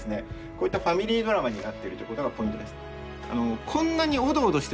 こういったファミリードラマになってるということがポイントです。